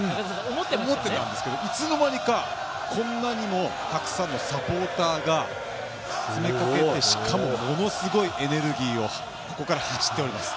思ってたんですけどいつの間にかこんなにもたくさんのサポーターが詰めかけてしかもものすごいエネルギーをここから発しております。